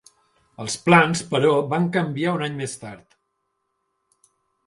Els plans però van canviar un any més tard.